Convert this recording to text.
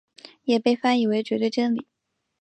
也被翻译为绝对真理。